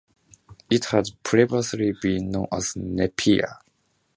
It had previously been known as Napier.